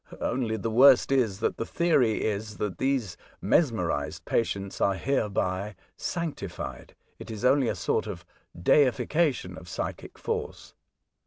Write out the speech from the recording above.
Only the worst is, that the theory is that these mesmerised patients are hereby sanctified. It is only a sort of deification of psychic force."